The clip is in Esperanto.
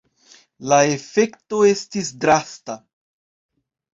La efekto estis drasta.